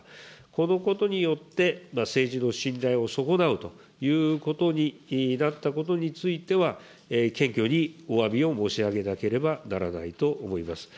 このことによって、政治の信頼を損なうということになったことについては、謙虚におわびを申し上げなければならないと思います。